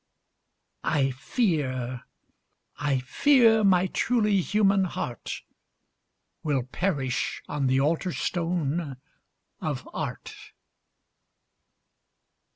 I fear, I fear my truly human heart Will perish on the altar stone of art!